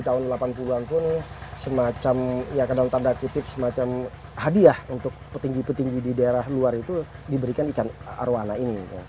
jadi zaman dahulu tahun delapan puluh an pun semacam ya kadang tanda kutip semacam hadiah untuk petinggi petinggi di daerah luar itu diberikan ikan arowana ini